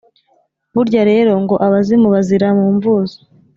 burya rero ngo abazimu bazira mu mvuzo